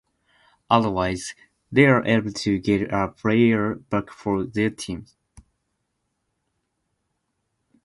Otherwise, they are able to get a player back for their team.